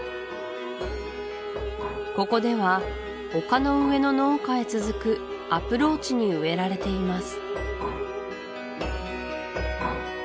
ここでは丘の上の農家へ続くアプローチに植えられています